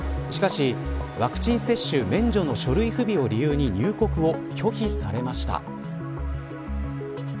しかし、ワクチン接種免除の書類不備を理由に入国を拒否されました。